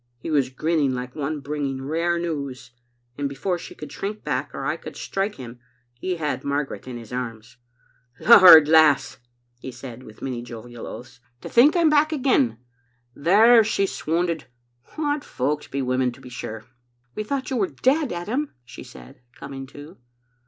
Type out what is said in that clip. He was grinning like one bringing rare news, and before she could shrink back or I could strike him he had Mar garet in his arms. "*Lord, lass,' he said, with many jovial oaths, *to ?9 Digitized by VjOOQ IC 806 myc Xtttle Ainfdtet* think I*m back again! There, she's swotmded. What folks be women, to be sure. ' "'We thought you were dead, Adam," she said, coming to.